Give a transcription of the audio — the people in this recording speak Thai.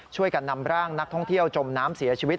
ช่วยกันนำร่างนักท่องเที่ยวจมน้ำเสียชีวิต